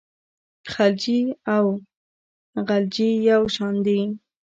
خلجي او غلجي یو شان دي.